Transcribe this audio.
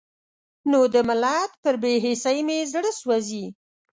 نو د ملت پر بې حسۍ مې زړه سوزي.